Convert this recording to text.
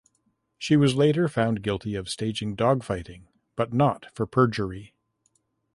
She was later found guilty of staging dogfighting but not for perjury.